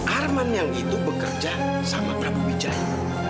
arman yang itu bekerja sama prabu wijaya